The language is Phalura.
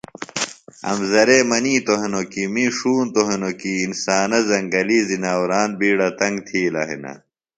امزرے منیتوۡ ہنوۡ کی می ݜونتوۡ ہنوۡ کیۡ انسانہ زنگلی زناوران بیڈہ تنگ تِھیلہ ہِنہ